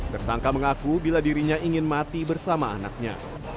tersangka mengaku bila dirinya ingin mati bersama anaknya